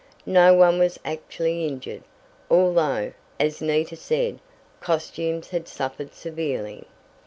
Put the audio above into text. No one was actually injured, although, as Nita said, costumes had suffered severely.